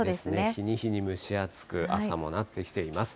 日に日に蒸し暑く、朝もなってきています。